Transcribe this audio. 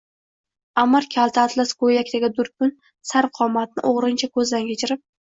Аmir kalta atlas koʼylakdagi durkun, sarvqomatni oʼgʼrincha koʼzdan kechirib